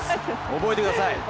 覚えてください！